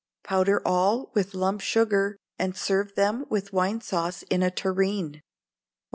Powder all with lump sugar, and serve them with wine sauce in a tureen. 1300.